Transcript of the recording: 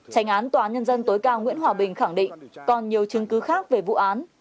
tránh án tòa án nhân dân tối cao nguyễn hòa bình khẳng định còn nhiều chứng cứ khác về vụ án